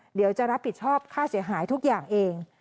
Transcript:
เดี๋ยวจะรับผิดชอบค่าเสียหายทุกอย่างเอง